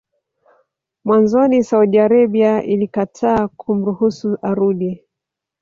Mwanzoni Saudi Arabia ilikataa kumruhusu arudi